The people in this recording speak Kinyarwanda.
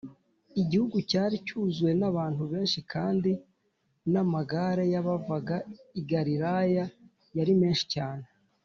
. Igihugu cyari cyuzuwe n’abantu benshi kandi n’amagare y’abavaga i Galilaya yari menshi cyane.